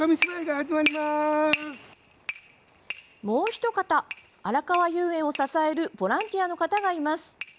もう一方あらかわ遊園を支えるボランティアの方がいます。